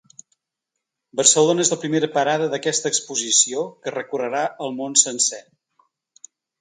Barcelona és la primera parada d’aquesta exposició, que recorrerà el món sencer.